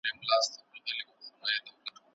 د فابریکې کارکوونکي د رمضان په میاشت کې سست کېږي.